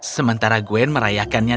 sementara gwen merayakannya